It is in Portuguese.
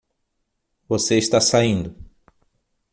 Você está saindo